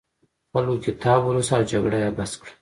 خلکو کتاب ولوست او جګړه یې بس کړه.